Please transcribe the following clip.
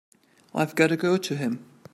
I've got to go to him.